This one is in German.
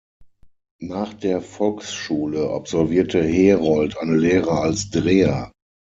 Nach der Volksschule absolvierte Herold eine Lehre als Dreher.